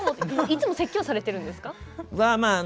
いつも説教されてるんですか？